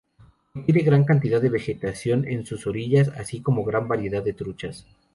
Contiene gran cantidad de vegetación en sus orillas, así como gran variedad de truchas.